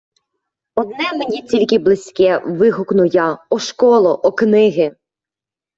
Одне мені тільки близьке, вигукну я: о школо, о книги!